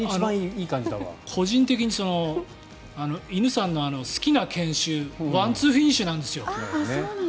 個人的に犬さんの好きな犬種ワンツーフィニッシュなんですよ。